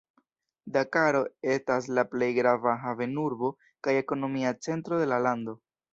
Dakaro etas la plej grava havenurbo kaj ekonomia centro de la lando.